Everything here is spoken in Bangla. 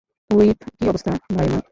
হুইপ, কী অবস্থা, ভাই আমার?